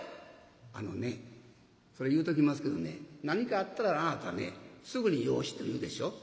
「あのねそれ言うときますけどね何かあったらあなたねすぐに養子と言うでしょ。